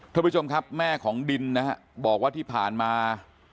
ท่านผู้ชมครับแม่ของดินนะฮะบอกว่าที่ผ่านมา